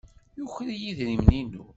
Yuker-iyi idrimen-inu.